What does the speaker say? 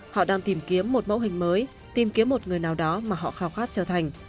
họ đang tìm kiếm một mẫu hình mới tìm kiếm một người nào đó mà họ khao khát trở thành